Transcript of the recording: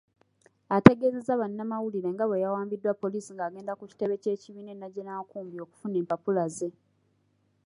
Ategeezezza bannamawulire nga bwe yawambiddwa poliisi ng'agenda ku kitebe ky'ekibiina eNajjanankumbi okufuna empapula ze.